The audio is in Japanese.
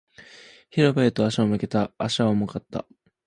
広場へと足を向けた。足は重かった。